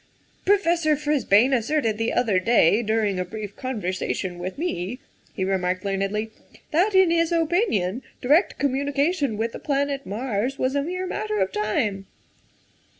" Professor Frisbane asserted the other day, during a brief conversation with me," he remarked learnedly, " that, in his opinion, direct communication with the planet Mars was a mere matter of time.